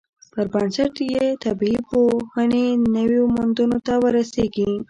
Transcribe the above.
پر بنسټ یې طبیعي پوهنې نویو موندنو ته ورسیږي.